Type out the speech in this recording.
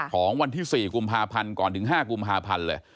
ของวันที่๔กุมภาพันธ์ก่อนถึง๕กุมภาพันธ์เลย